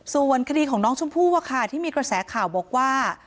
ส่วนคดีของน้องชมพู่ที่มีกระแสข่าวบอกว่า